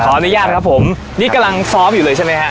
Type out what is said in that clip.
อนุญาตครับผมนี่กำลังซ้อมอยู่เลยใช่ไหมฮะ